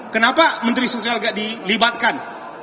kenapa menteri sosial agak dilibatkan